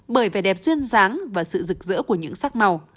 bởi vẻ đẹp duyên dáng và sự rực rỡ của những sắc màu